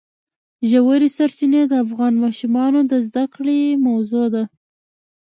ژورې سرچینې د افغان ماشومانو د زده کړې موضوع ده.